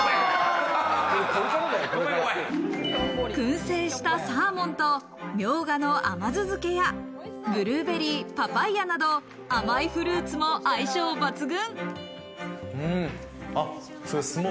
燻製したサーモンとみょうがの甘酢漬けやブルーベリー、パパイヤなど甘いフルーツも相性抜群。